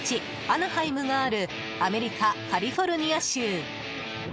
アナハイムがあるアメリカ・カリフォルニア州。